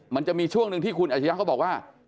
มันจะมีช่วงหนึ่งที่คุณอาชญะเขาบอกว่า